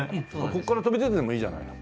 ここから飛び出ててもいいじゃないの。